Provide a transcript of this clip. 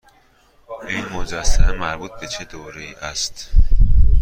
این مجسمه مربوط به چه دوره ای است؟